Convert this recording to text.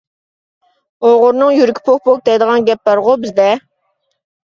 ئوغرىنىڭ يۈرىكى پوك-پوك دەيدىغان گەپ بارغۇ بىزدە.